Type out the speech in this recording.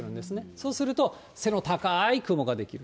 そうすると、背の高い雲が出来る。